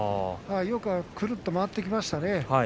よくくるっと回っていきましたね。